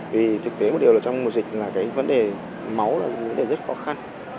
vì thực tế một điều là trong mùa dịch là cái vấn đề máu là vấn đề rất khó khăn